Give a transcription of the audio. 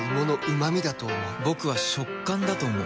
僕は、食感だと思う。